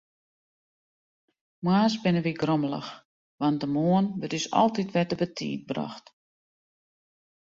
Moarns binne wy grommelich, want de moarn wurdt ús altyd wer te betiid brocht.